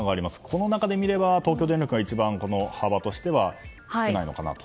この中で見れば東京電力が一番幅として少ないのかなと。